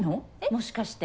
もしかして。